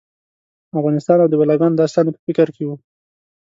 افغانستان او د بلاګانو داستان یې په فکر کې و.